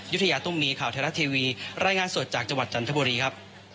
ยุธยาตุ้มมีข่าวไทยรัฐทีวีรายงานสดจากจังหวัดจันทบุรีครับ